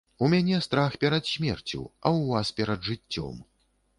У мяне страх перад смерцю, а ў вас перад жыццём.